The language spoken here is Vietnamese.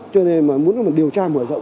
cho nên mà muốn điều tra mở rộng